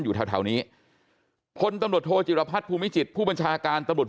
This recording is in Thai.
อยู่แถวนี้พลตำรวจโทจิรพัฒน์ภูมิจิตผู้บัญชาการตำรวจ